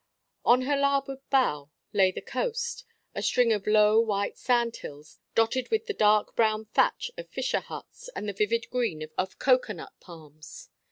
On her larboard bow lay the coast a string of low, white sand hills, dotted with the dark brown thatch of fisher huts and the vivid green of cocoa nut palms.